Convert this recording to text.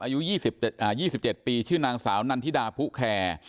อายุยี่สิบเจ็ดอ่ายี่สิบเจ็ดปีชื่อนางสาวนันธิดาผู้แคร์